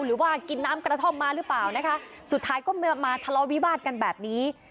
หรือว่ากินน้ำกระท่อมมาหรือเปล่านะคะสุดท้ายก็มาทะเลาวิวาสกันแบบนี้